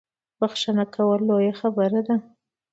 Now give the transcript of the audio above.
بخښنه کول لویه خبره ده